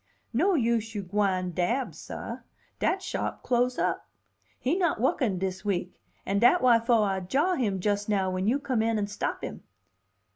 "No use you gwine dab, sah. Dat shop close up. He not wukkin, dis week, and dat why fo' I jaw him jus' now when you come in an' stop him.